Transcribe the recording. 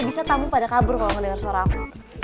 bisa tamu pada kabur kalau mendengar suara aku